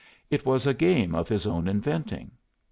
It was a game of his own inventing.